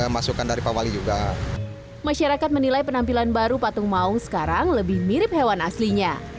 masyarakat menilai penampilan baru patung maung sekarang lebih mirip hewan aslinya